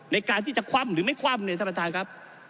ในการที่จะคว่ำหรือไม่คว่ำเนี่ยท่านประธานครับ